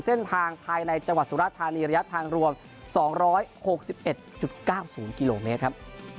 เส้นทางภายในจังหวัดสุราธารณีระยะทางรวมสองร้อยหกสิบเอ็ดจุดเก้าศูนย์กิโลเมตรครับ